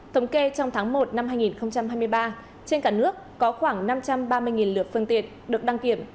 thống kê trong tháng một năm hai nghìn hai mươi ba trên cả nước có khoảng năm trăm ba mươi lượt phương tiện được đăng kiểm